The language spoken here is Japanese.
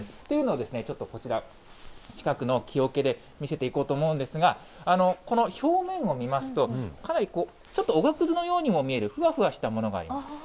というのをちょっとこちら、近くの木おけで見せていこうと思うんですが、この表面を見ますと、かなり、ちょっとおがくずのようにも見えるふわふわしたものがあります。